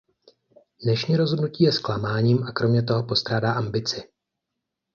Dnešní rozhodnutí je zklamáním, a kromě toho postrádá ambici.